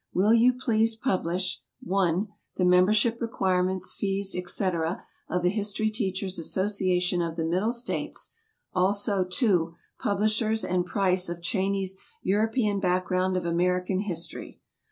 Will you please publish (1) the membership requirements, fees, etc., of the History Teachers' Association of the Middle States; also (2) publishers and price of Cheyney's "European Background of American History"?